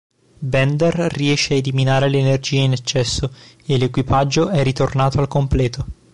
Bender riesce a eliminare l'energia in eccesso e l'equipaggio è ritornato al completo.